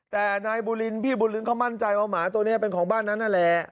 แต่นายบุรินพี่บุรินเขามั่นใจว่าหมาตัวนี้เป็นของบ้านนั้นนั่นแหละ